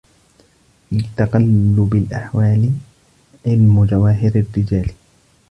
في تقلب الأحوال علم جواهر الرجال